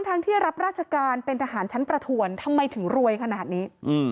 ที่รับราชการเป็นทหารชั้นประถวนทำไมถึงรวยขนาดนี้